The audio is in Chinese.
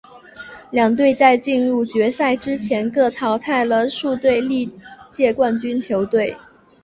两队在进入决赛之前各自淘汰了数支历届冠军球队。